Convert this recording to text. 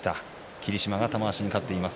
霧島が玉鷲に勝っています。